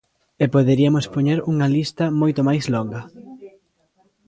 E poderiamos poñer unha lista moito máis longa.